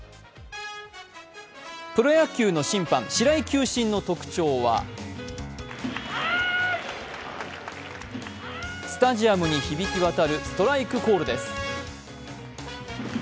プロ野球の審判・白井球審の特徴はスタジアムに響きわたるストライクコールです。